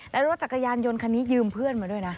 และรถจักรยานยนต์คันนี้ยืมเพื่อนมาด้วยนะ